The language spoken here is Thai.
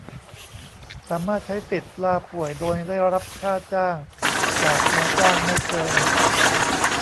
สามารถใช้สิทธิ์ลาป่วยโดยได้รับค่าจ้างจากนายจ้างไม่เกิน